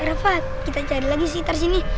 eh rafa kita cari lagi sekitar sini